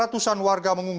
itu muk wagesoodbg